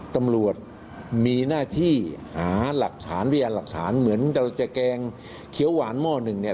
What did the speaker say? ตำรวจมีหน้าที่หาหลักฐานพยานหลักฐานเหมือนเราจะแกงเขียวหวานหม้อหนึ่งเนี่ย